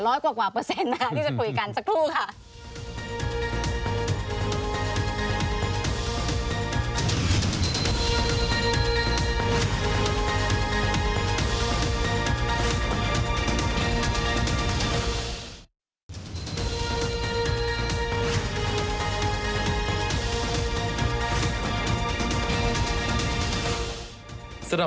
กว่าเปอร์เซ็นต์นะคะที่จะคุยกันสักครู่ค่ะ